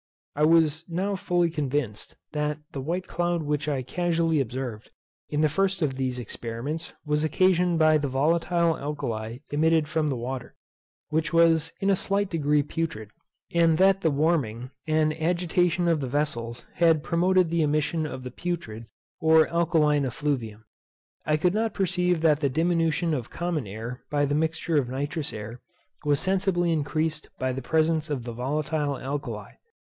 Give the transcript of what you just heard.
I was now fully convinced, that the white cloud which I casually observed, in the first of these experiments, was occasioned by the volatile alkali emitted from the water, which was in a slight degree putrid; and that the warming, and agitation of the vessels, had promoted the emission of the putrid, or alkaline effluvium. I could not perceive that the diminution of common air by the mixture of nitrous air was sensibly increased by the presence of the volatile alkali.